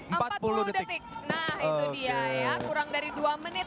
nah itu dia ya kurang dari dua menit